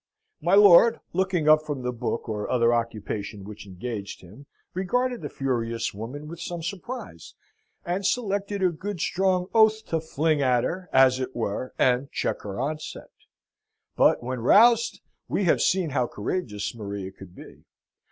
My lord, looking up from the book or other occupation which engaged him, regarded the furious woman with some surprise, and selected a good strong oath to fling at her, as it were, and check her onset. But, when roused, we have seen how courageous Maria could be.